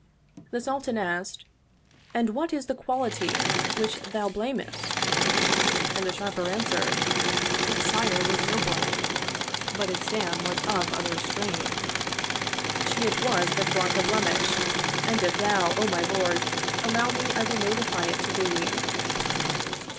The Sultan asked, "And what is the quality which thou blamest?" and the Sharper answered, " Its sire was noble, but its dam was of other strain : she it was that brought the blemish and if thou, O my lord, allow me I will notify it to thee."